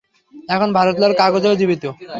এখন ভারত লাল কাগজেও জীবিত।